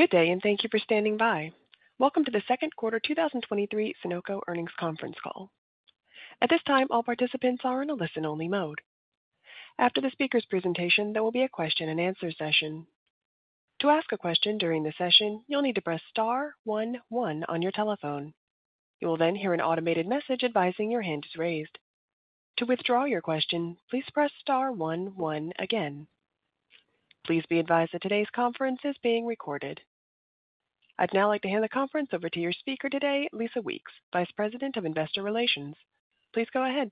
Good day, and thank you for standing by. Welcome to the second 1/4 2023 Sonoco Earnings Conference Call. At this time, all participants are in a listen-only mode. After the speaker's presentation, there will be a question-and-answer session. To ask a question during the session, you'll need to press star one one on your telephone. You will then hear an automated message advising your hand is raised. To withdraw your question, please press star one one again. Please be advised that today's conference is being recorded. I'd now like to hand the conference over to your speaker today, Lisa Weeks, Vice President of Investor Relations. Please go ahead.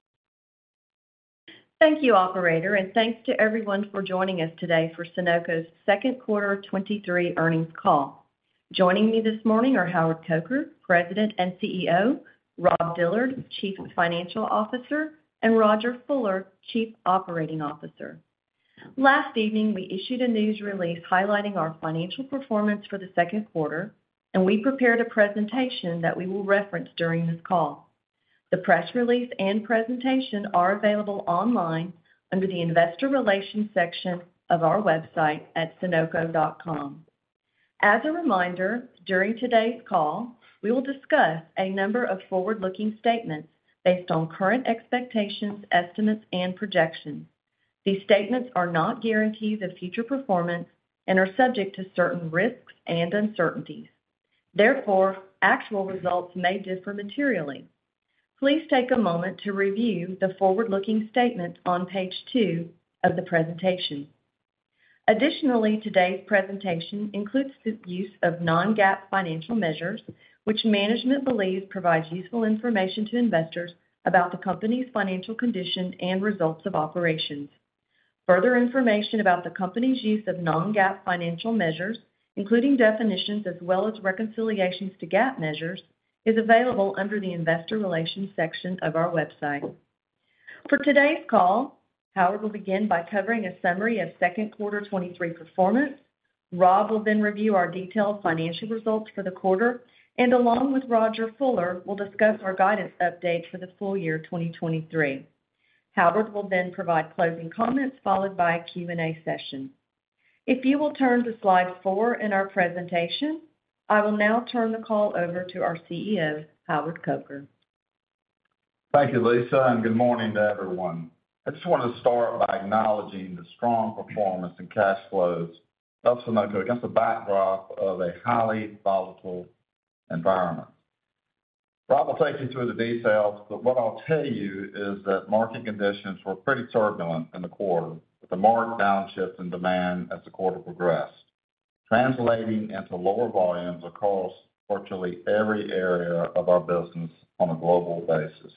Thank you, operator, and thanks to everyone for joining us today for Sonoco's second 1/4 2023 earnings call. Joining me this morning are Howard Coker, President and CEO, Rob Dillard, Chief Financial Officer, and Rodger Fuller, Chief Operating Officer. Last evening, we issued a news release highlighting our financial performance for the second 1/4, and we prepared a presentation that we will reference during this call. The press release and presentation are available online under the Investor Relations section of our website at sonoco.com. As a reminder, during today's call, we will discuss a number of forward-looking statements based on current expectations, estimates, and projections. These statements are not guarantees of future performance and are subject to certain risks and uncertainties. Therefore, actual results may differ materially. Please take a moment to review the forward-looking statement on page 2 of the presentation. Today's presentation includes the use of non-GAAP financial measures, which management believes provides useful information to investors about the company's financial condition and results of operations. Further information about the company's use of non-GAAP financial measures, including definitions as well as reconciliations to GAAP measures, is available under the Investor Relations section of our website. For today's call, Howard will begin by covering a summary of second 1/4 2023 performance. Rob will then review our detailed financial results for the 1/4, and along with Rodger Fuller, we'll discuss our guidance update for the full year 2023. Howard will then provide closing comments, followed by a Q&A session. If you will turn to Slide 4 in our presentation, I will now turn the call over to our CEO, Howard Coker. Thank you, Lisa, and good morning to everyone. I just wanted to start by acknowledging the strong performance and cash flows of Sonoco against the backdrop of a highly volatile environment. Rob will take you through the details, but what I'll tell you is that market conditions were pretty turbulent in the 1/4, with a marked downshift in demand as the 1/4 progressed, translating into lower volumes across virtually every area of our business on a global basis.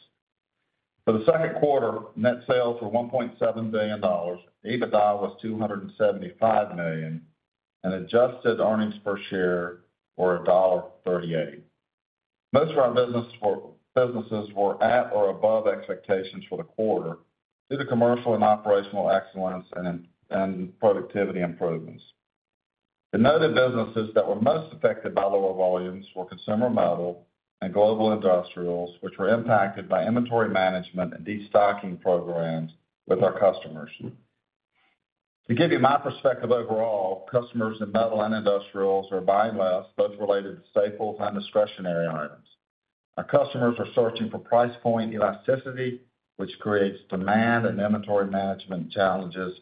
For the second 1/4, net sales were $1.7 billion, EBITDA was $275 million, and adjusted earnings per share were $1.38. Most of our businesses were at or above expectations for the 1/4 through the commercial and operational excellence and productivity improvements. The noted businesses that were most affected by lower volumes were Consumer Metal and Global Industrials, which were impacted by inventory management and destocking programs with our customers. To give you my perspective overall, customers in metal and industrials are buying less, both related to staples and discretionary items. Our customers are searching for price point elasticity, which creates demand and inventory management challenges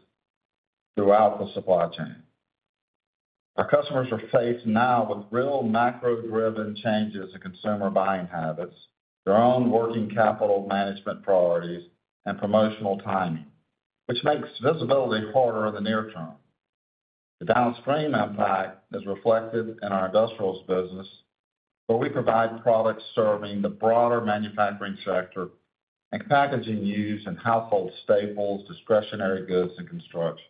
throughout the supply chain. Our customers are faced now with real macro-driven changes in consumer buying habits, their own working capital management priorities, and promotional timing, which makes visibility harder in the near term. The downstream impact is reflected in our industrials business, where we provide products serving the broader manufacturing sector and packaging used in household staples, discretionary goods, and construction.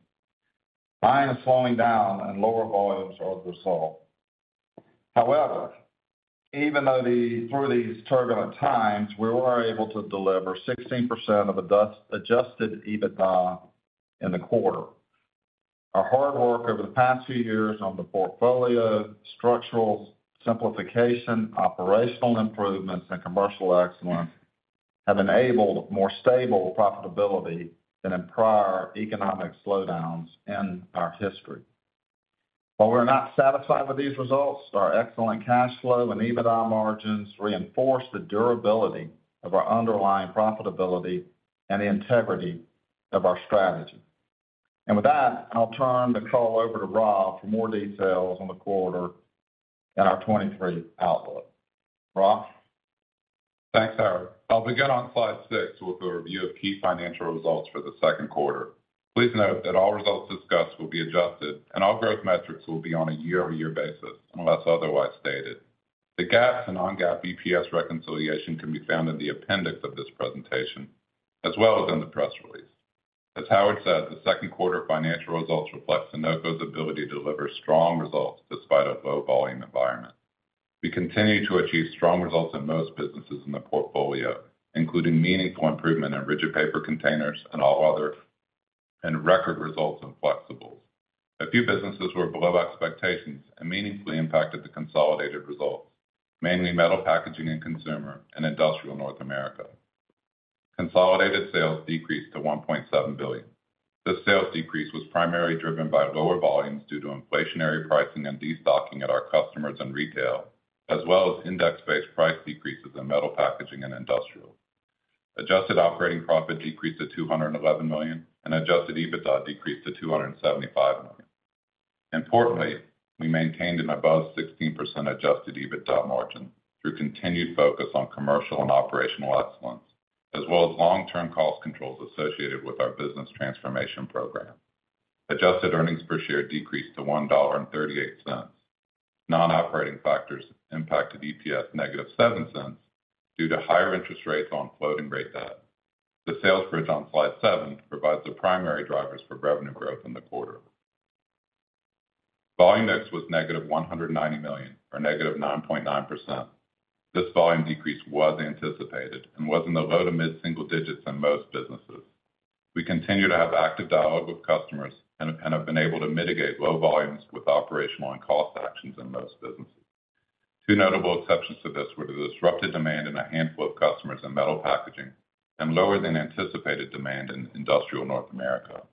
Buying is slowing down and lower volumes are the result. However, even though the through these turbulent times, we were able to deliver 16% of adjusted EBITDA in the 1/4. Our hard work over the past few years on the portfolio, structural simplification, operational improvements, and commercial excellence have enabled more stable profitability than in prior economic slowdowns in our history. While we're not satisfied with these results, our excellent cash flow and EBITDA margins reinforce the durability of our underlying profitability and the integrity of our strategy. With that, I'll turn the call over to Rob for more details on the 1/4 and our 2023 outlook. Rob? Thanks, Howard. I'll begin on Slide 6 with a review of key financial results for the second 1/4. Please note that all results discussed will be adjusted, and all growth metrics will be on a year-over-year basis, unless otherwise stated. The GAAP and non-GAAP EPS reconciliation can be found in the appendix of this presentation, as well as in the press release. As Howard said, the second 1/4 financial results reflect Sonoco's ability to deliver strong results despite a low volume environment. We continue to achieve strong results in most businesses in the portfolio, including meaningful improvement in rigid paper containers and all other, and record results in flexibles. A few businesses were below expectations and meaningfully impacted the consolidated results, mainly metal packaging and Consumer and Industrial North America. Consolidated sales decreased to $1.7 billion. This sales decrease was primarily driven by lower volumes due to inflationary pricing and destocking at our customers and retail, as well as index-based price decreases in metal packaging and industrial. Adjusted operating profit decreased to $211 million, and adjusted EBITDA decreased to $275 million. Importantly, we maintained an above 16% adjusted EBITDA margin through continued focus on commercial and operational excellence, as well as long-term cost controls associated with our business transformation program. Adjusted earnings per share decreased to $1.38. Non-operating factors impacted EPS -$0.07 due to higher interest rates on floating rate debt. The sales bridge on Slide 7 provides the primary drivers for revenue growth in the 1/4. Volume/mix was -$190 million, or -9.9%. This volume decrease was anticipated and was in the low to mid single digits in most businesses. We continue to have active dialogue with customers and have been able to mitigate low volumes with operational and cost actions in most businesses. Two notable exceptions to this were the disrupted demand in a handful of customers in metal packaging and lower than anticipated demand in industrial North America.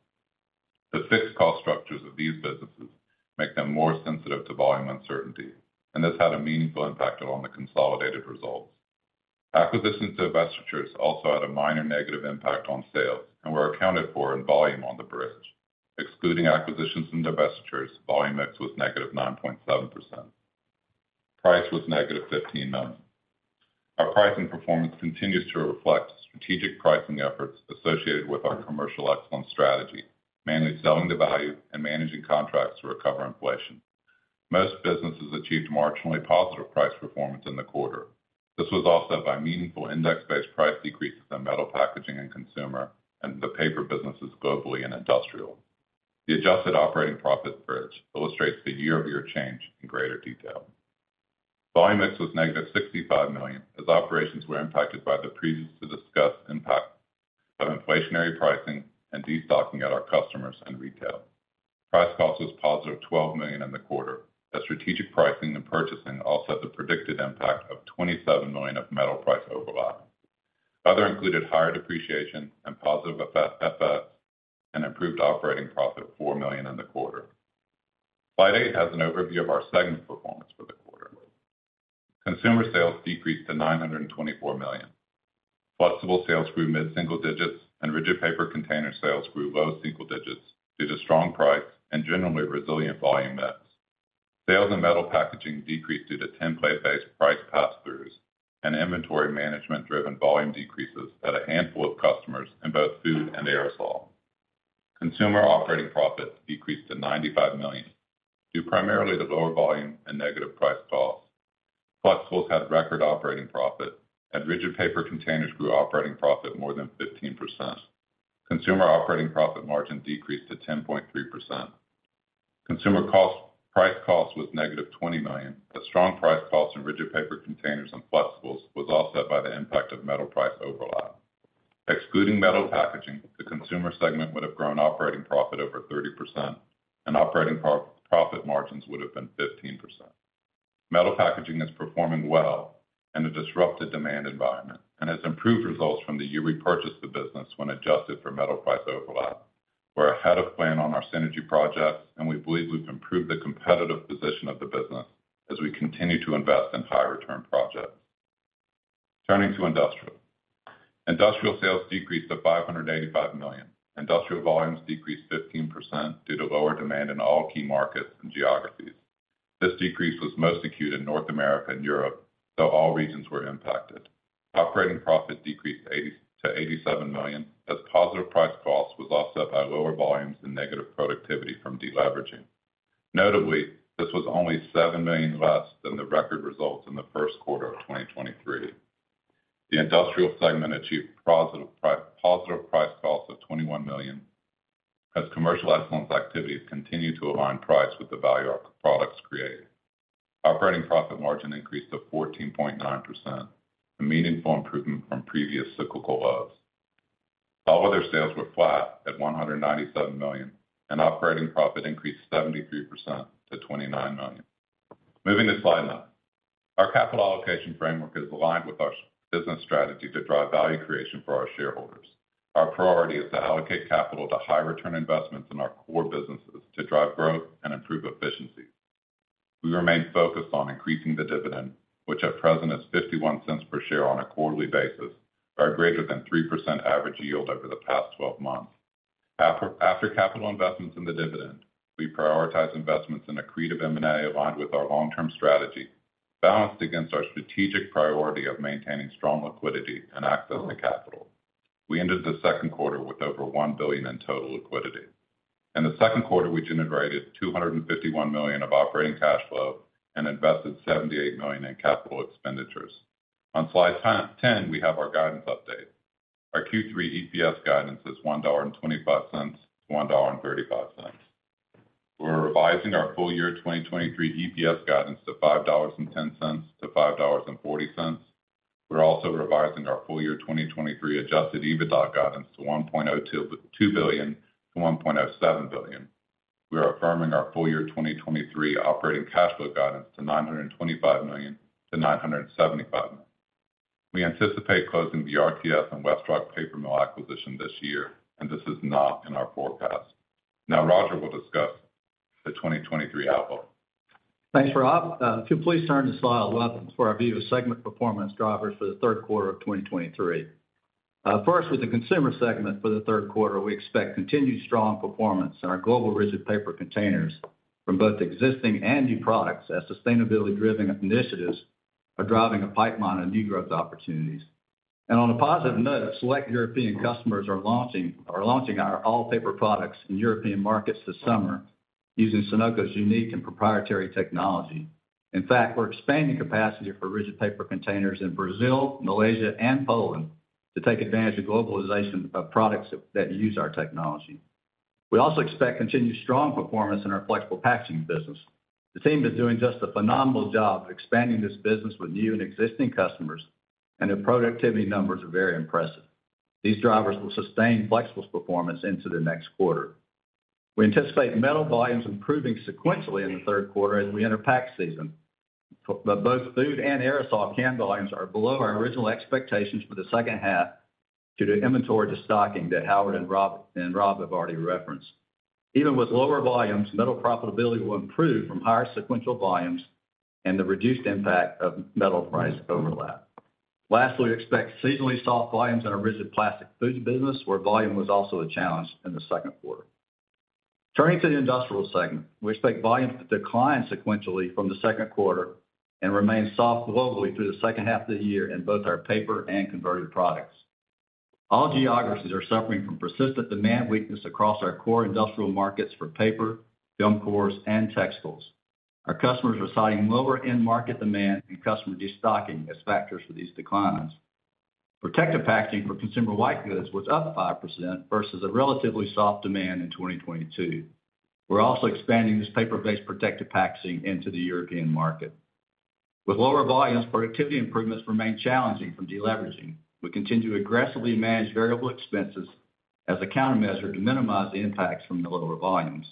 The fixed cost structures of these businesses make them more sensitive to volume uncertainty, and this had a meaningful impact on the consolidated results. Acquisitions to divestitures also had a minor negative impact on sales and were accounted for in volume on the bridge. Excluding acquisitions from divestitures, volume mix was negative 9.7%. Price was negative $15 million. Our pricing performance continues to reflect strategic pricing efforts associated with our commercial excellence strategy, manage selling the value and managing contracts to recover inflation. Most businesses achieved marginally positive price performance in the 1/4. This was offset by meaningful index-based price decreases in metal packaging and Consumer, and the paper businesses globally and Industrial. The adjusted operating profit bridge illustrates the year-over-year change in greater detail. Volume/mix was negative $65 million, as operations were impacted by the previous discussed impact of inflationary pricing and destocking at our customers and retail. Price/cost was positive $12 million in the 1/4, as strategic pricing and purchasing offset the predicted impact of $27 million of metal price overlap. Other included higher depreciation and positive effects, and improved operating profit of $4 million in the 1/4. Slide 8 has an overview of our segment performance for the 1/4. Consumer sales decreased to $924 million. Flexible sales grew mid single digits, rigid paper container sales grew low single digits due to strong price and generally resilient Volume/mix. Sales in metal packaging decreased due to template-based price pass-throughs and inventory management-driven volume decreases at a handful of customers in both food and aerosol. Consumer operating profits decreased to $95 million, due primarily to lower volume and negative price/cost. Flexibles had record operating profit, rigid paper containers grew operating profit more than 15%. Consumer operating profit margin decreased to 10.3%. Consumer price/cost was -$20 million. The strong price/cost in rigid paper containers and flexibles was offset by the impact of metal price overlap. Excluding metal packaging, the consumer segment would have grown operating profit over 30% and operating profit margins would have been 15%. Metal packaging is performing well in a disrupted demand environment and has improved results from the year we purchased the business when adjusted for metal price overlap. We're ahead of plan on our synergy projects, and we believe we've improved the competitive position of the business as we continue to invest in high return projects. Turning to industrial. Industrial sales decreased to $585 million. Industrial volumes decreased 15% due to lower demand in all key markets and geographies. This decrease was most acute in North America and Europe, though all regions were impacted. Operating profit decreased to $87 million, as positive price/cost was offset by lower volumes and negative productivity from deleveraging. Notably, this was only $7 million less than the record results in the first 1/4 of 2023. The industrial segment achieved positive price/cost of $21 million, as commercial excellence activities continue to align price with the value our products create. Operating profit margin increased to 14.9%, a meaningful improvement from previous cyclical lows. All other sales were flat at $197 million. Operating profit increased 73% to $29 million. Moving to Slide 9. Our capital allocation framework is aligned with our business strategy to drive value creation for our shareholders. Our priority is to allocate capital to high return investments in our core businesses to drive growth and improve efficiency. We remain focused on increasing the dividend, which at present is $0.51 per share on a 1/4 ly basis, or greater than 3% average yield over the past 12 months. After capital investments in the dividend, we prioritize investments in accretive M&A aligned with our long-term strategy, balanced against our strategic priority of maintaining strong liquidity and access to capital. We ended the second 1/4 with over $1 billion in total liquidity. In the second 1/4, we generated $251 million of operating cash flow and invested $78 million in capital expenditures. On Slide 10, we have our guidance update. Our Q3 EPS guidance is $1.25-$1.35. We're revising our full year 2023 EPS guidance to $5.10-$5.40. We're also revising our full year 2023 adjusted EBITDA guidance to $1.2 billion-$1.07 billion. We are affirming our full year 2023 operating cash flow guidance to $925 million-$975 million. We anticipate closing the RTS and WestRock paper mill acquisition this year, and this is not in our forecast. Now, Rodger will discuss the 2023 outlook. Thanks, Rob. If you'll please turn to Slide 11 for our view of segment performance drivers for the 3/4 of 2023. First, with the consumer segment for the 3/4, we expect continued strong performance in our global rigid paper containers from both existing and new products, as sustainability-driven initiatives are driving a pipeline of new growth opportunities. On a positive note, select European customers are launching our all-paper products in European markets this summer, using Sonoco's unique and proprietary technology. In fact, we're expanding capacity for rigid paper containers in Brazil, Malaysia, and Poland to take advantage of globalization of products that use our technology. We also expect continued strong performance in our flexible packaging business. The team is doing just a phenomenal job expanding this business with new and existing customers, and their productivity numbers are very impressive. These drivers will sustain flexibles' performance into the next 1/4. We anticipate metal volumes improving sequentially in the 3/4 as we enter pack season. Both food and aerosol can volumes are below our original expectations for the second half due to inventory destocking that Howard and Rob have already referenced. Even with lower volumes, metal profitability will improve from higher sequential volumes and the reduced impact of metal price overlap. Lastly, we expect seasonally soft volumes in our rigid plastic foods business, where volume was also a challenge in the second 1/4. Turning to the industrial segment, we expect volumes to decline sequentially from the second 1/4 and remain soft globally through the second half of the year in both our paper and converted products. All geographies are suffering from persistent demand weakness across our core industrial markets for paper, gum cores, and textiles. Our customers are citing lower end market demand and customer destocking as factors for these declines. Protective packaging for consumer white goods was up 5% versus a relatively soft demand in 2022. We're also expanding this paper-based protective packaging into the European market. With lower volumes, productivity improvements remain challenging from deleveraging. We continue to aggressively manage variable expenses as a countermeasure to minimize the impacts from the lower volumes.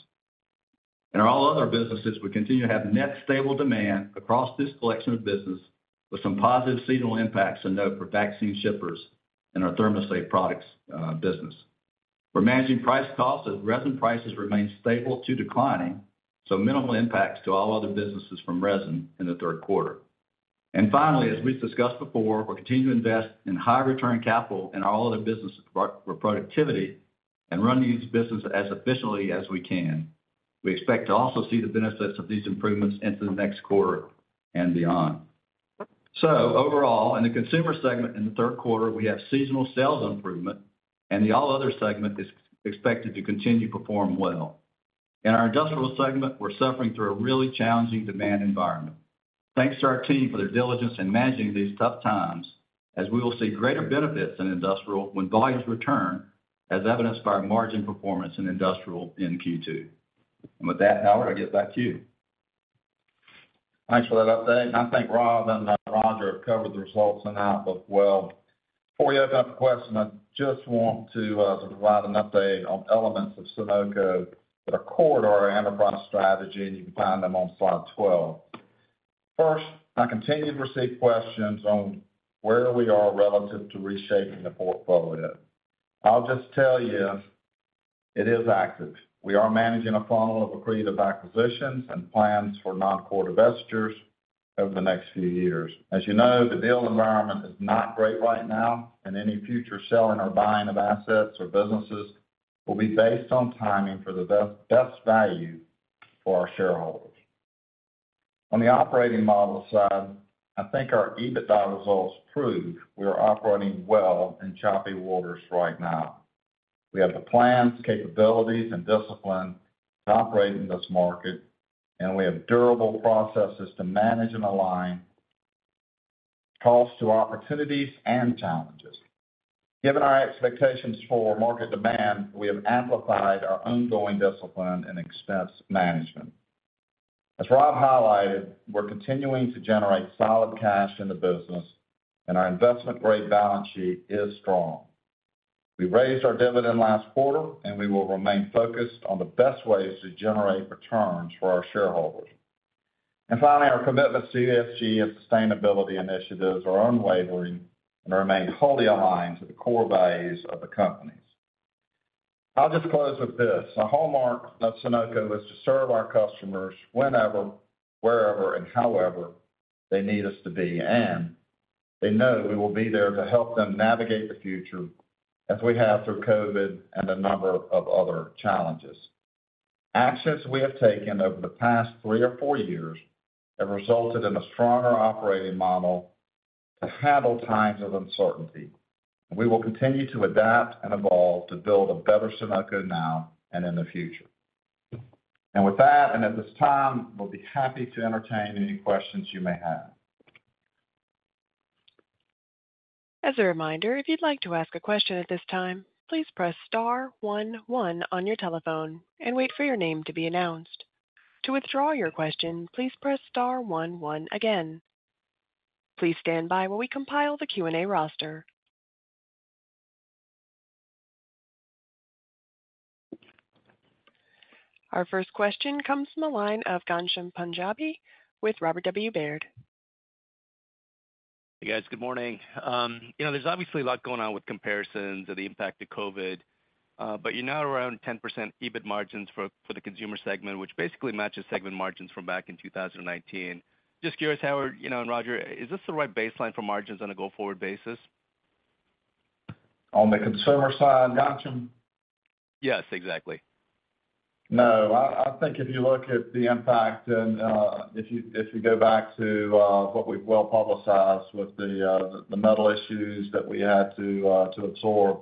In our all other businesses, we continue to have net stable demand across this collection of business, with some positive seasonal impacts to note for vaccine shippers and our ThermoSafe products business. We're managing price costs as resin prices remain stable to declining, so minimal impacts to all other businesses from resin in the 3rd 1/4. Finally, as we've discussed before, we're continuing to invest in high-return capital in all other businesses for productivity and run these businesses as efficiently as we can. We expect to also see the benefits of these improvements into the next 1/4 and beyond. Overall, in the consumer segment in the 3/4, we have seasonal sales improvement, and the all other segment is expected to continue to perform well. In our industrial segment, we're suffering through a really challenging demand environment. Thanks to our team for their diligence in managing these tough times, as we will see greater benefits in industrial when volumes return, as evidenced by our margin performance in industrial in Q2. With that, Howard, I give back to you. Thanks for that update, and I think Rob and Roger have covered the results and outlook well. Before we open up for questions, I just want to provide an update on elements of Sonoco that are core to our enterprise strategy, and you can find them on Slide 12. First, I continue to receive questions on where we are relative to reshaping the portfolio. I'll just tell you, it is active. We are managing a funnel of accretive acquisitions and plans for non-core divestitures over the next few years. As you know, the deal environment is not great right now, and any future selling or buying of assets or businesses will be based on timing for the best value for our shareholders. On the operating model side, I think our EBITDA results prove we are operating well in choppy waters right now. We have the plans, capabilities and discipline to operate in this market, and we have durable processes to manage and align costs to opportunities and challenges. Given our expectations for market demand, we have amplified our ongoing discipline and expense management. As Rob highlighted, we're continuing to generate solid cash in the business, and our investment-grade balance sheet is strong. We raised our dividend last 1/4, and we will remain focused on the best ways to generate returns for our shareholders. Finally, our commitment to ESG and sustainability initiatives are unwavering and remain wholly aligned to the core values of the companies. I'll just close with this: A hallmark of Sonoco is to serve our customers whenever, wherever, and however they need us to be, and they know we will be there to help them navigate the future as we have through COVID and a number of other challenges. Actions we have taken over the past three or four years have resulted in a stronger operating model to handle times of uncertainty. We will continue to adapt and evolve to build a better Sonoco now and in the future. With that, and at this time, we'll be happy to entertain any questions you may have. As a reminder, if you'd like to ask a question at this time, please press star 1 1 on your telephone and wait for your name to be announced. To withdraw your question, please press star 1 1 again. Please stand by while we compile the Q&A roster. Our first question comes from the line of Ghansham Panjabi with Robert W. Baird. Hey, guys, good morning. you know, there's obviously a lot going on with comparisons of the impact of COVID, but you're now around 10% EBIT margins for the consumer segment, which basically matches segment margins from back in 2019. Just curious, Howard, you know, and Roger, is this the right baseline for margins on a go-forward basis? On the consumer side, Ghansham? Yes, exactly. No, I, I think if you look at the impact and, if you, if you go back to, what we've well-publicized with the, the metal issues that we had to, to absorb,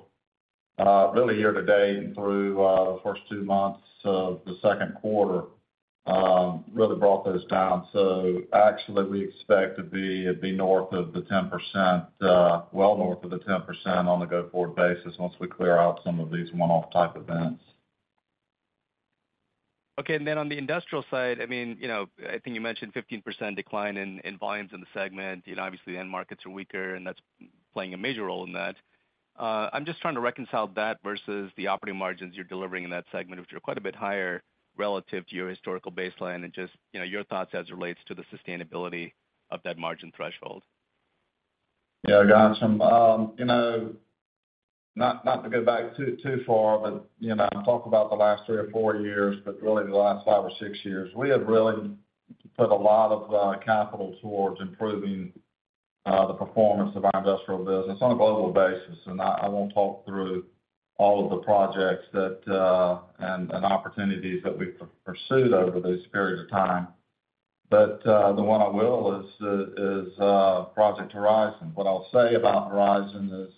really year-to-date and through, the first 2 months of the second 1/4, really brought those down. Actually, we expect to be, be North of the 10%, well North of the 10% on the go-forward basis once we clear out some of these one-off type events. Okay. On the industrial side, I mean, you know, I think you mentioned 15% decline in, in volumes in the segment. You know, obviously, end markets are weaker, and that's playing a major role in that. I'm just trying to reconcile that versus the operating margins you're delivering in that segment, which are quite a bit higher relative to your historical baseline, and just, you know, your thoughts as it relates to the sustainability of that margin threshold. Yeah, Ghansham, you know, not, not to go back too, too far, but, you know, talk about the last 3 or 4 years, but really the last 5 or 6 years, we have really put a lot of capital towards improving the performance of our industrial business on a global basis. I, I won't talk through all of the projects that and opportunities that we've pursued over this period of time. The one I will is is Project Horizon. What I'll say about Horizon is,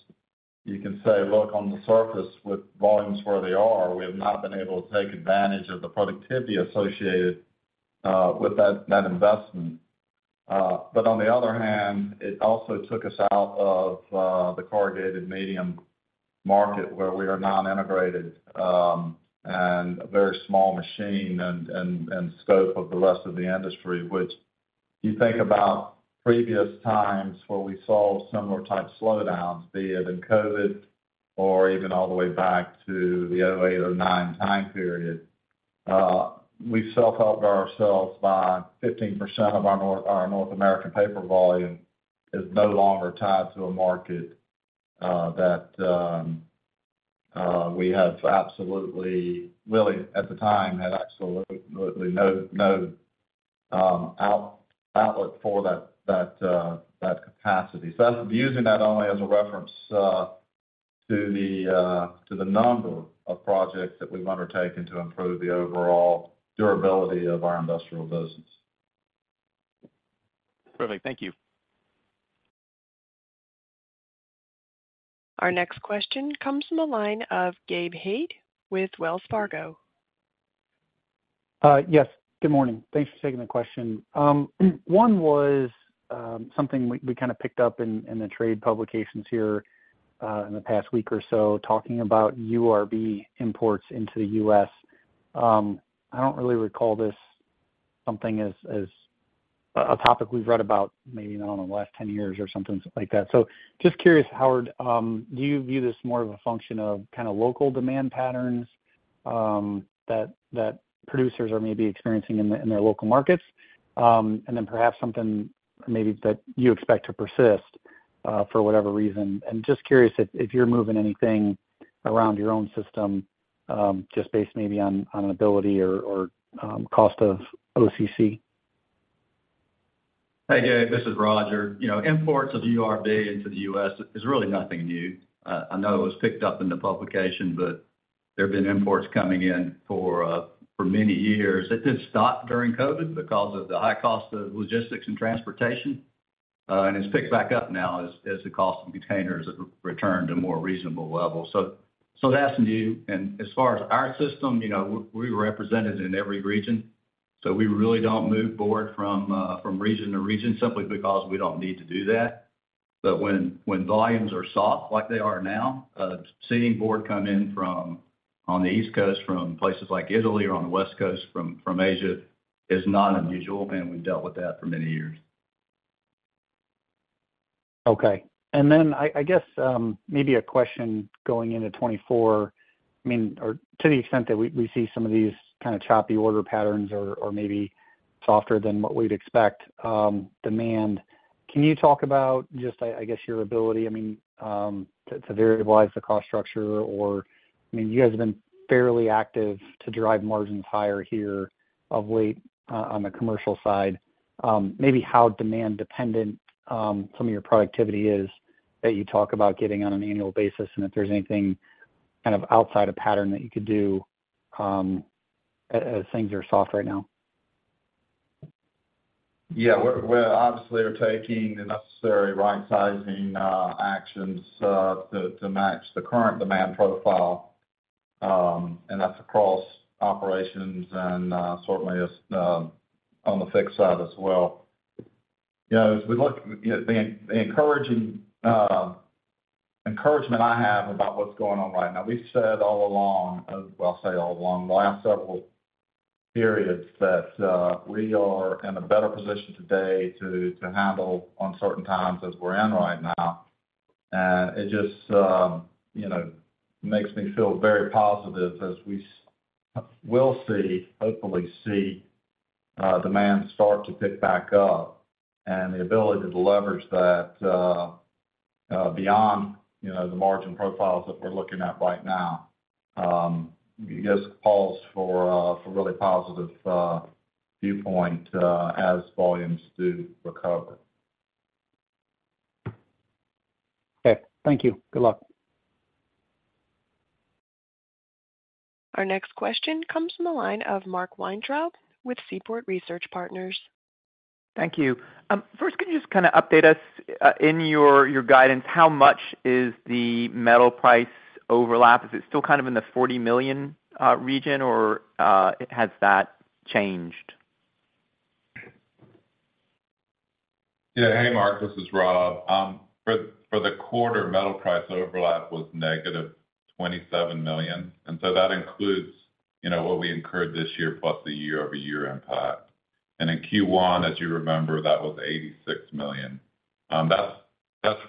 you can say, look, on the surface, with volumes where they are, we have not been able to take advantage of the productivity associated with that, that investment. On the other hand, it also took us out of the corrugated medium market where we are non-integrated and a very small machine and scope of the rest of the industry. Which you think about previous times where we saw similar type slowdowns, be it in COVID or even all the way back to the 2008 or 2009 time period, we self-helped ourselves by 15% of our North American paper volume is no longer tied to a market that we have absolutely. Really, at the time, had absolutely no, no outlet for that capacity. That's. Using that only as a reference to the number of projects that we've undertaken to improve the overall durability of our industrial business. Perfect. Thank you. Our next question comes from the line of Gabrial Hajde with Wells Fargo. Yes, good morning. Thanks for taking the question. One was something we, we kind of picked up in the trade publications here in the past week or so, talking about URB imports into the U.S. I don't really recall this something as a topic we've read about maybe, I don't know, in the last 10 years or something like that. Just curious, Howard, do you view this more of a function of kind of local demand patterns that producers are maybe experiencing in their, in their local markets? Perhaps something maybe that you expect to persist for whatever reason. Just curious if, if you're moving anything around your own system, just based maybe on, on ability or, or cost of OCC. Hey, Gabrial, this is Rodger. You know, imports of URB into the U.S. is really nothing new. I know it was picked up in the publication, but there have been imports coming in for many years. It did stop during COVID because of the high cost of logistics and transportation, and it's picked back up now as the cost of containers have returned to more reasonable levels. That's new. As far as our system, you know, we're represented in every region, so we really don't move board from region to region simply because we don't need to do that. When, when volumes are soft, like they are now, seeing board come in from on the East Coast, from places like Italy or on the West Coast from, from Asia, is not unusual, and we've dealt with that for many years. Okay. I guess, maybe a question going into 2024, I mean, or to the extent that we, we see some of these kind of choppy order patterns or, or maybe softer than what we'd expect, demand, can you talk about just, I guess, your ability, I mean, to, to variabilize the cost structure or, I mean, you guys have been fairly active to drive margins higher here of late on the commercial side? Maybe how demand-dependent, some of your productivity is, that you talk about getting on an annual basis, and if there's anything kind of outside of pattern that you could do, as things are soft right now? Yeah. We're obviously are taking the necessary right-sizing actions to match the current demand profile, and that's across operations and certainly as on the fixed side as well. You know, as we look, the encouraging encouragement I have about what's going on right now, we've said all along, well, I'll say all along, the last several periods that we are in a better position today to handle uncertain times as we're in right now. It just, you know, makes me feel very positive as we'll see, hopefully see, demand start to pick back up, and the ability to leverage that beyond, you know, the margin profiles that we're looking at right now. I guess, calls for a really positive viewpoint as volumes do recover. Okay, thank you. Good luck! Our next question comes from the line of Mark Weintraub with Seaport Research Partners. Thank you. first, could you just kind of update us, in your, your guidance, how much is the metal price overlap? Is it still kind of in the $40 million region or, has that changed? Yeah. Hey, Mark, this is Rob. For, for the 1/4, metal price overlap was -$27 million, and so that includes, you know, what we incurred this year, plus the year-over-year impact. In Q1, as you remember, that was $86 million. That's, that's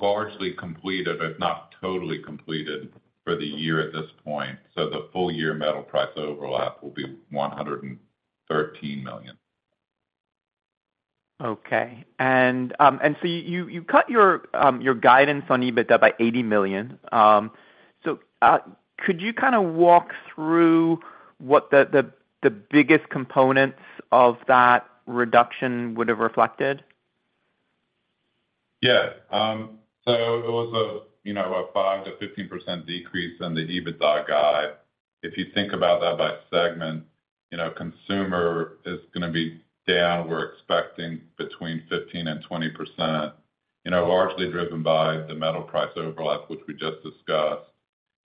largely completed, if not totally completed, for the year at this point. The full-year metal price overlap will be $113 million. Okay. You, you cut your, your guidance on EBITDA by $80 million. Could you kind of walk through what the, the, the biggest components of that reduction would have reflected? Yeah. It was a, you know, a 5%-15% decrease in the EBITDA guide. If you think about that by segment, you know, consumer is gonna be down, we're expecting between 15% and 20%. You know, largely driven by the metal price overlap, which we just discussed,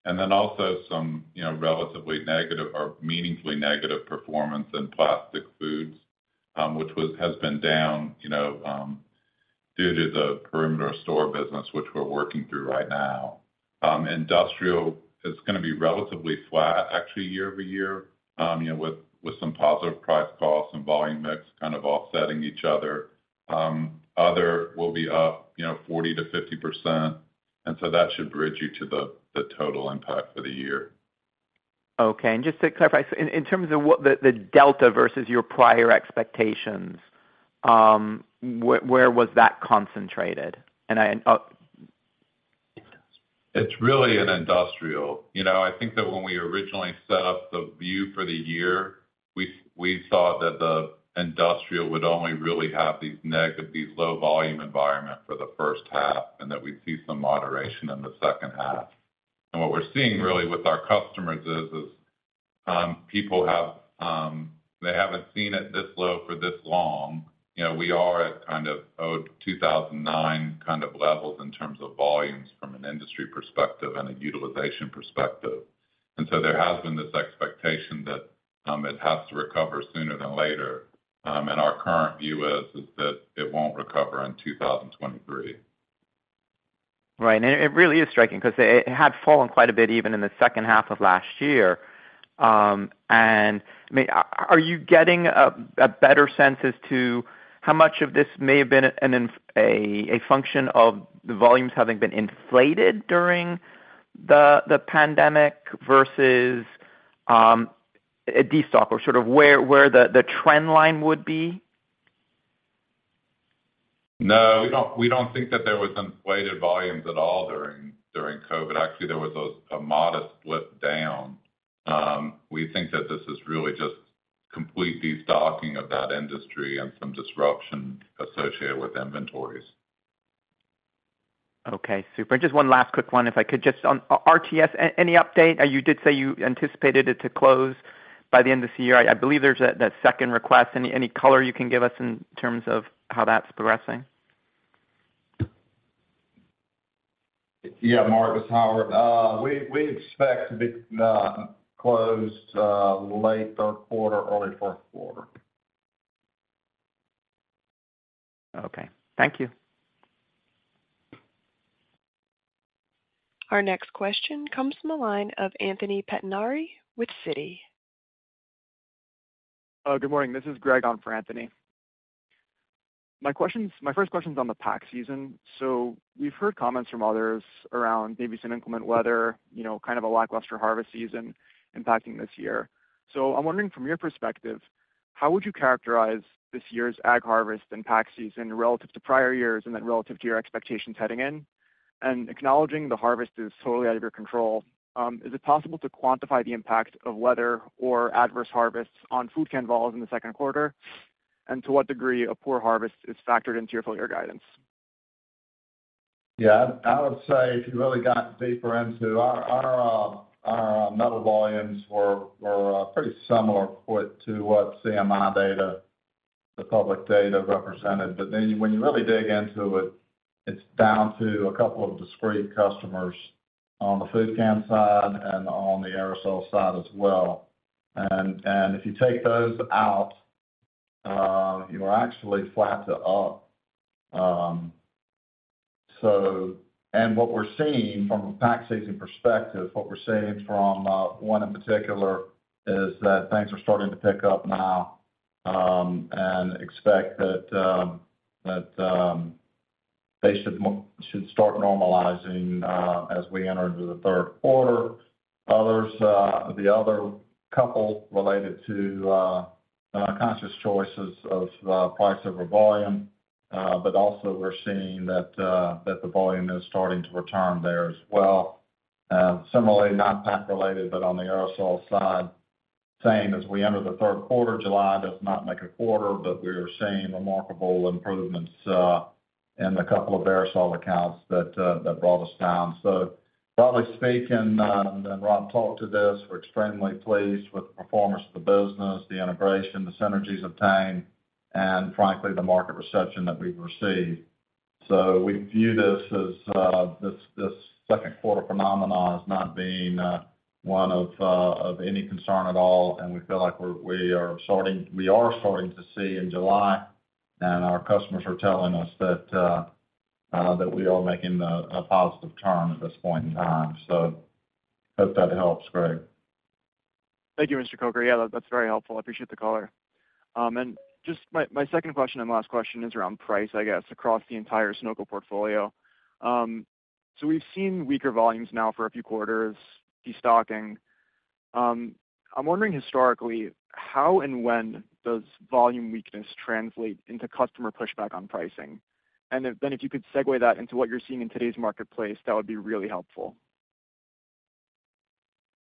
and then also some, you know, relatively negative or meaningfully negative performance in plastic foods, which has been down, you know, due to the perimeter store business, which we're working through right now. Industrial is gonna be relatively flat, actually, year-over-year, you know, with some positive price/cost and Volume/mix kind of offsetting each other. Other will be up, you know, 40%-50%, and that should bridge you to the total impact for the year. Okay. Just to clarify, in terms of what the delta versus your prior expectations, where was that concentrated? It's really in industrial. You know, I think that when we originally set up the view for the year, we saw that the industrial would only really have these negative, these low volume environment for the first half, and that we'd see some moderation in the second half. What we're seeing really with our customers is, people have, they haven't seen it this low for this long. You know, we are at kind of, 2009 kind of levels in terms of volumes from an industry perspective and a utilization perspective. There has been this expectation that, it has to recover sooner than later. Our current view is that it won't recover in 2023. Right. And it, it really is striking because it, it had fallen quite a bit, even in the second half of last year. I mean, are you getting a better sense as to how much of this may have been a function of the volumes having been inflated during the pandemic versus a destock, or sort of where, where the trend line would be? No, we don't, we don't think that there was inflated volumes at all during, during COVID. Actually, there was a, a modest slip down. We think that this is really just complete destocking of that industry and some disruption associated with inventories. Okay, super. Just one last quick one, if I could. Just on RTS, any update? You did say you anticipated it to close by the end of this year. I, I believe there's a, that second request. Any, any color you can give us in terms of how that's progressing? Yeah, Mark, it's Howard. We expect to be closed late 3/4, early fourth 1/4. Okay. Thank you. Our next question comes from the line of Anthony Pettinari with Citi. Good morning. This is Greg on for Anthony. My first question is on the pack season. We've heard comments from others around maybe some inclement weather, you know, kind of a lackluster harvest season impacting this year. I'm wondering from your perspective, how would you characterize this year's ag harvest and pack season relative to prior years and then relative to your expectations heading in? Acknowledging the harvest is totally out of your control, is it possible to quantify the impact of weather or adverse harvests on food can vols in the second 1/4? To what degree a poor harvest is factored into your full year guidance? Yeah, I would say, if you really got deeper into our, our, our metal volumes were, were, pretty similar with to what CMI data, the public data represented. Then when you really dig into it, it's down to a couple of discrete customers on the food can side and on the aerosol side as well. If you take those out, you are actually flat to up. What we're seeing from a pack-sizing perspective, what we're seeing from, one in particular, is that things are starting to pick up now, and expect that, that, they should should start normalizing, as we enter into the 3/4. Others, the other couple related to conscious choices of price over volume, also we're seeing that the volume is starting to return there as well. Similarly, not pack related, on the aerosol side, same as we enter the 3/4, July does not make a 1/4, we are seeing remarkable improvements in a couple of aerosol accounts that brought us down. Broadly speaking, and Rob talked to this, we're extremely pleased with the performance of the business, the integration, the synergies obtained, and frankly, the market reception that we've received. We view this as, this, this second 1/4 phenomenon as not being, one of, of any concern at all. We feel like we are starting, we are starting to see in July. Our customers are telling us that, that we are making a, a positive turn at this point in time. Hope that helps, Greg. Thank you, Mr. Coker. Yeah, that, that's very helpful. I appreciate the color. Just my, my second question and last question is around price, I guess, across the entire Sonoco portfolio. We've seen weaker volumes now for a few 1/4s, destocking. I'm wondering historically, how and when does volume weakness translate into customer pushback on pricing? If, then, if you could segue that into what you're seeing in today's marketplace, that would be really helpful.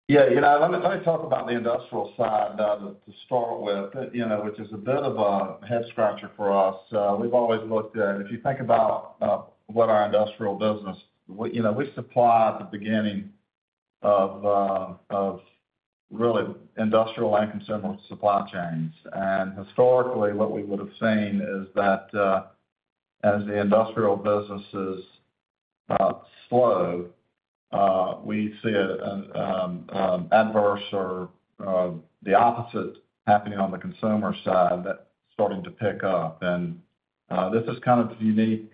Yeah, you know, let me, let me talk about the industrial side to start with, you know, which is a bit of a head scratcher for us. We've always looked at, if you think about what our industrial business, we, you know, we supply the beginning of really industrial and consumer supply chains. Historically, what we would have seen is that as the industrial businesses slow, we see it adverse or the opposite happening on the consumer side, that's starting to pick up. This is kind of a unique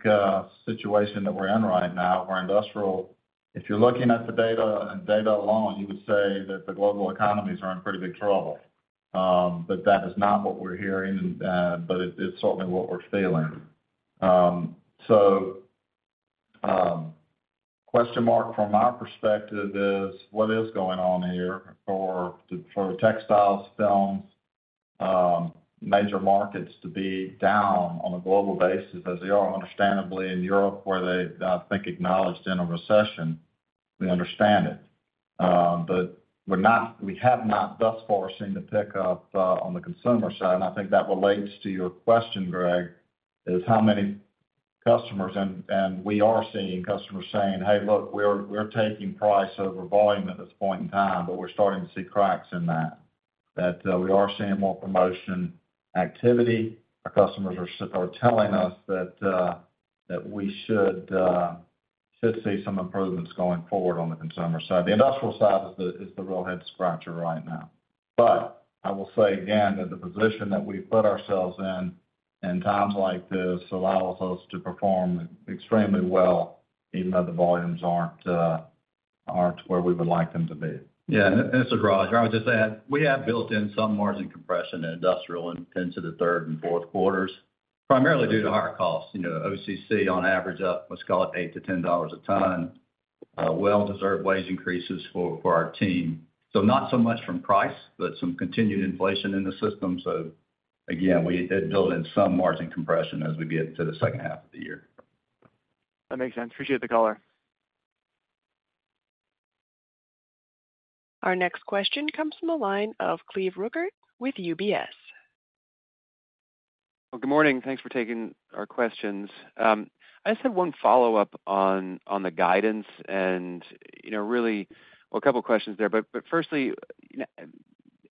situation that we're in right now, where industrial, if you're looking at the data and data alone, you would say that the global economies are in pretty big trouble. But that is not what we're hearing, but it, it's certainly what we're feeling. Question mark from our perspective is, what is going on here for the, for textiles, films, major markets to be down on a global basis, as they are understandably in Europe, where they, I think, acknowledged in a recession, we understand it. We're not, we have not thus far seen the pickup on the consumer side, and I think that relates to your question, Greg, is how many customers, and, and we are seeing customers saying, "Hey, look, we're, we're taking price over volume at this point in time," but we're starting to see cracks in that. That, we are seeing more promotion activity. Our customers are telling us that, that we should see some improvements going forward on the consumer side. The industrial side is the, is the real head scratcher right now. I will say again, that the position that we've put ourselves in, in times like this, allows us to perform extremely well, even though the volumes aren't, aren't where we would like them to be. Yeah, this is Rodger. I would just add, we have built in some margin compression in industrial into the third and fourth 1/4s, primarily due to higher costs. You know, OCC on average, up, let's call it $8-$10 a ton. Well-deserved wage increases for, for our team. Not so much from price, but some continued inflation in the system. Again, we did build in some margin compression as we get into the second half of the year. That makes sense. Appreciate the color. Our next question comes from the line of Cleveland Rueckert with UBS. Well, good morning. Thanks for taking our questions. I just have one follow-up on, on the guidance and, you know, really... Well, a couple of questions there, but, but firstly, you know,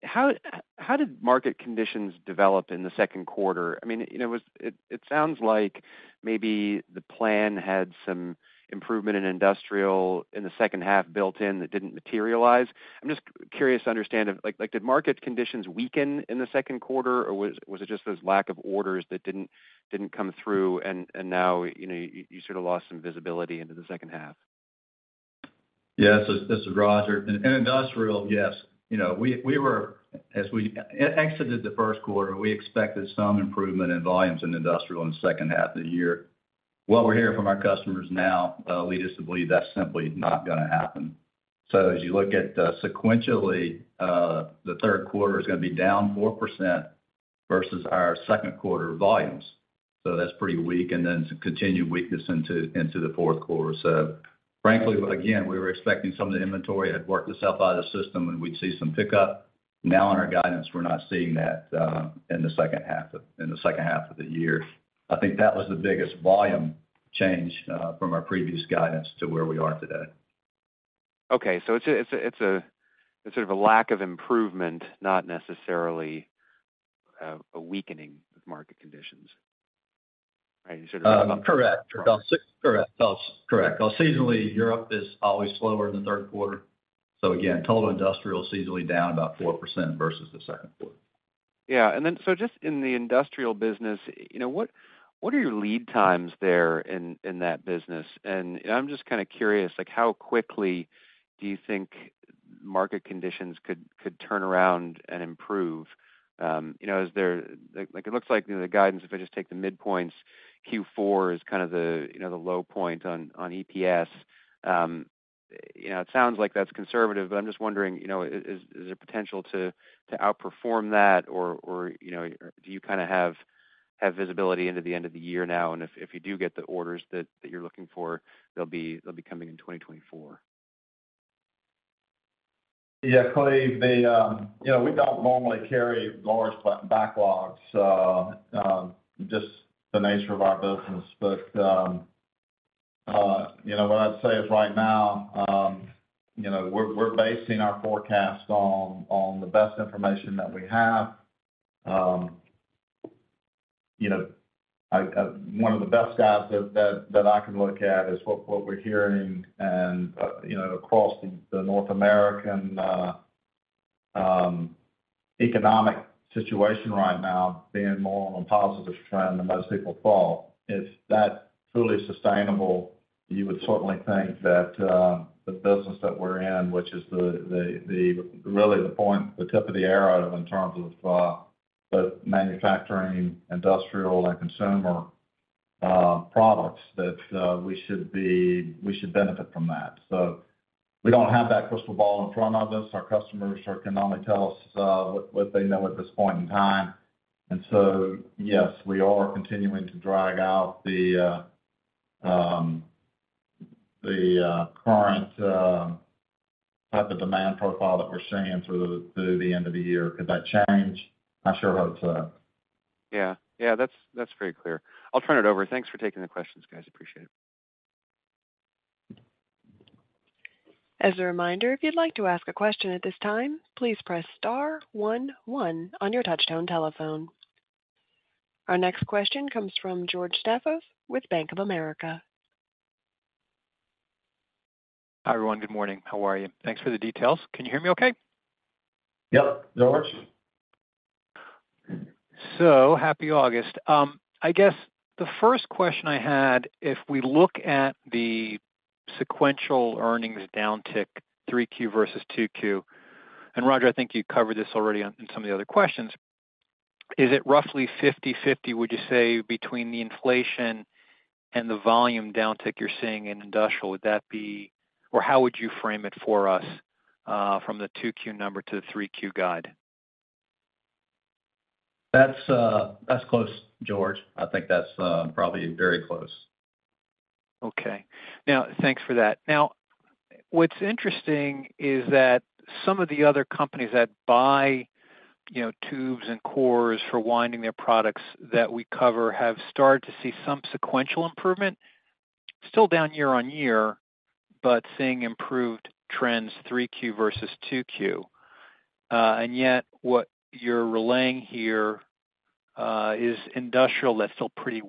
how, how did market conditions develop in the second 1/4? I mean, you know, it, it sounds like maybe the plan had some improvement in industrial in the second half built in that didn't materialize. I'm just curious to understand, like, did market conditions weaken in the second 1/4, or was, was it just this lack of orders that didn't, didn't come through, and, and now, you know, you, you sort of lost some visibility into the second half? Yeah, this is Rodger. In industrial, yes. You know, we, as we exited the first 1/4, we expected some improvement in volumes in industrial in the second half of the year. What we're hearing from our customers now, lead us to believe that's simply not gonna happen. As you look at, sequentially, the 3/4 is gonna be down 4% versus our second 1/4 volumes. That's pretty weak and some continued weakness into the fourth 1/4. Frankly, again, we were expecting some of the inventory had worked itself out of the system, and we'd see some pickup. Now in our guidance, we're not seeing that in the second half of the year. I think that was the biggest volume change from our previous guidance to where we are today. Okay. It's a sort of a lack of improvement, not necessarily, a weakening of market conditions. Right, you sort of? Correct. Correct. Correct. Seasonally, Europe is always slower in the 3Q. Again, total industrial seasonally down about 4% versus the 2Q. Just in the industrial business, you know, what, what are your lead times there in, in that business? I'm just kind of curious, like, how quickly do you think market conditions could, could turn around and improve? You know, like, it looks like the guidance, if I just take the midpoints, Q4 is kind of the, you know, the low point on, on EPS. You know, it sounds like that's conservative, but I'm just wondering, you know, is, is there potential to, to outperform that? You know, do you kind of have, have visibility into the end of the year now, and if, if you do get the orders that, that you're looking for, they'll be, they'll be coming in 2024? Yeah, Cleveland, the, you know, we don't normally carry large backlogs, just the nature of our business. But, you know, what I'd say is right now, you know, we're, we're basing our forecast on, on the best information that we have. You know, I, one of the best stats that, that, that I can look at is what, what we're hearing and, you know, across the North American, economic situation right now, being more on a positive trend than most people thought. Is that fully sustainable? You would certainly think that, the business that we're in, which is the, the, the really the point, the tip of the arrow in terms of, the manufacturing, industrial, and consumer, products, that, we should benefit from that. We don't have that crystal ball in front of us. Our customers can only tell us, what, what they know at this point in time. Yes, we are continuing to drag out the current type of demand profile that we're seeing through the, through the end of the year. Could that change? I sure hope so. Yeah. Yeah, that's, that's very clear. I'll turn it over. Thanks for taking the questions, guys. Appreciate it. As a reminder, if you'd like to ask a question at this time, please press star one one on your touch-tone telephone. Our next question comes from George Staphos with Bank of America. Hi, everyone. Good morning. How are you? Thanks for the details. Can you hear me okay? Yep, George. Happy August. I guess the first question I had, if we look at the sequential earnings downtick, 3Q versus 2Q, Rodger, I think you covered this already on in some of the other questions. Is it roughly 50/50, would you say, between the inflation and the volume downtick you're seeing in industrial? Or how would you frame it for us from the 2Q number to the 3Q guide? That's, that's close, George. I think that's, probably very close. Okay. Thanks for that. What's interesting is that some of the other companies that buy, you know, tubes and cores for winding their products that we cover, have started to see some sequential improvement, still down year-over-year, but seeing improved trends 3Q versus 2Q. Yet, what you're relaying here, is industrial, that's still pretty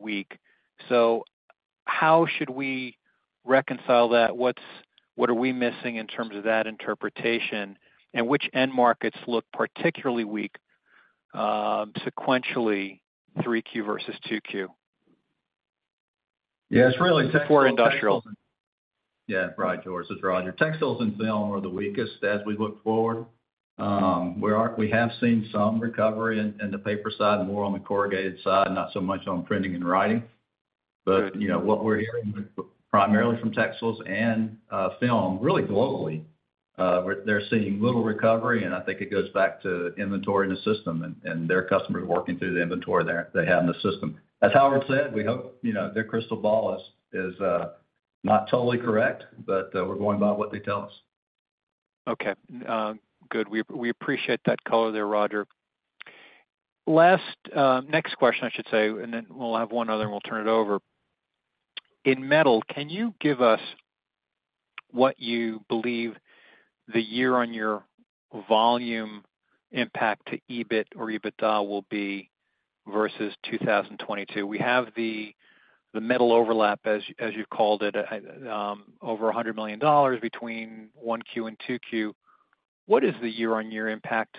weak. How should we reconcile that? What are we missing in terms of that interpretation, and which end markets look particularly weak, sequentially, 3Q versus 2Q? Yeah, it's really- For industrial. Yeah, right, George, it's Rodger. Textiles and film are the weakest as we look forward. We have seen some recovery in, in the paper side, more on the corrugated side, not so much on printing and writing. You know, what we're hearing primarily from textiles and film, really globally, they're seeing little recovery, and I think it goes back to inventory in the system and their customers working through the inventory that they have in the system. As Howard said, we hope, you know, their crystal ball is not totally correct, but we're going by what they tell us. Okay, good. We appreciate that color there, Rodger. Last, next question, I should say, then we'll have one other, and we'll turn it over. In metal, can you give us what you believe the year-on-year volume impact to EBIT or EBITDA will be versus 2022? We have the metal overlap, as you called it, over $100 million between 1Q and 2Q. What is the year-on-year impact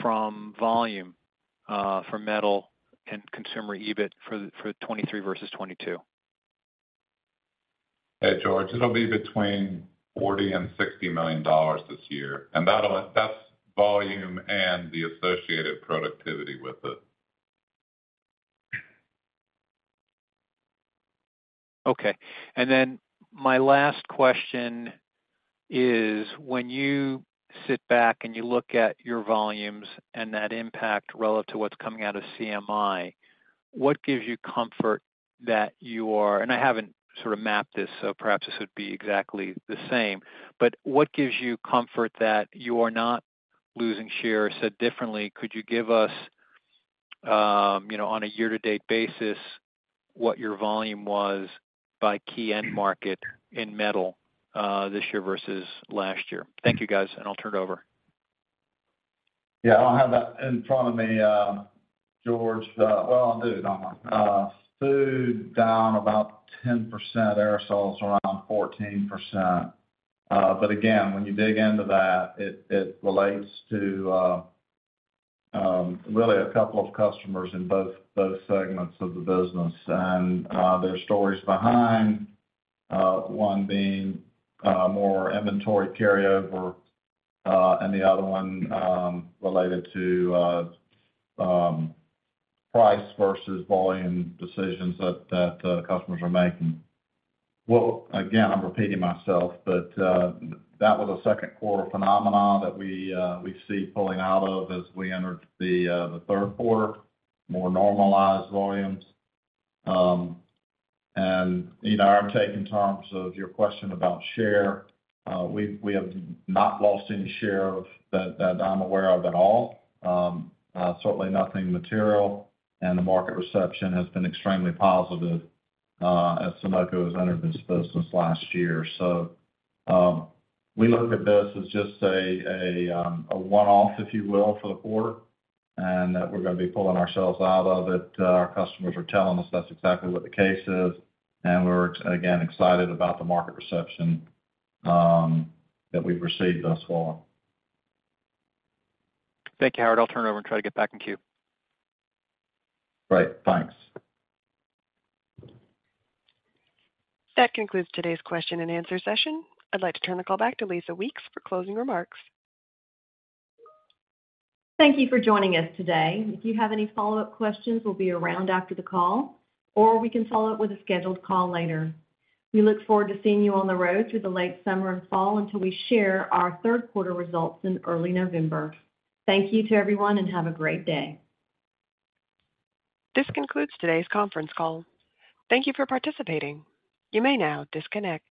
from volume for metal and consumer EBIT for 2023 versus 2022? Hey, George, it'll be between $40 million and $60 million this year, and that's volume and the associated productivity with it. My last question is, when you sit back and you look at your volumes and that impact relative to what's coming out of CMI, what gives you comfort that you are... And I haven't sort of mapped this, so perhaps this would be exactly the same, but what gives you comfort that you are not losing share? Differently, could you give us, you know, on a year-to-date basis, what your volume was by key end market in metal this year versus last year? Thank you, guys, and I'll turn it over. Yeah, I don't have that in front of me. George, well, I'll do it, Omar. Food down about 10%, aerosols around 14%. Again, when you dig into that, it, it relates to really a couple of customers in both, both segments of the business. There are stories behind one being more inventory carryover and the other one related to price versus volume decisions that, that customers are making. Well, again, I'm repeating myself, that was a second 1/4 phenomenon that we see pulling out of as we entered the 3/4, more normalized volumes. You know, our take in terms of your question about share, we have not lost any share of that, that I'm aware of at all. Certainly nothing material, and the market reception has been extremely positive, as Sonoco has entered this business last year. We look at this as just a one-off, if you will, for the 1/4, and that we're gonna be pulling ourselves out of it. Our customers are telling us that's exactly what the case is, and we're, again, excited about the market reception that we've received thus far. Thank you, Howard. I'll turn it over and try to get back in queue. Great. Thanks. That concludes today's question and answer session. I'd like to turn the call back to Lisa Weeks for closing remarks. Thank you for joining us today. If you have any follow-up questions, we'll be around after the call, or we can follow up with a scheduled call later. We look forward to seeing you on the road through the late summer and fall, until we share our 3/4 results in early November. Thank you to everyone, and have a great day. This concludes today's conference call. Thank you for participating. You may now disconnect.